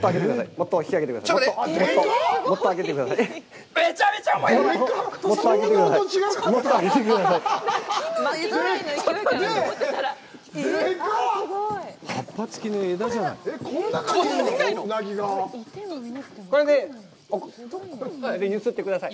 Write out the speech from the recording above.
もっと上げてください。